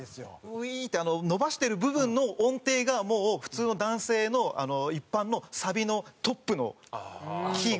「Ｗｅ’ｌｌ．．．」って伸ばしてる部分の音程がもう普通の男性の一般のサビのトップのキーぐらいなんですよ。